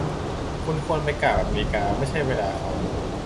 คุณควรไปกราบอเมริกา ไม่ใช่ไปด่าเขา